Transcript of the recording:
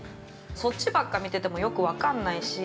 そっちばっか見てても、よく分かんないし。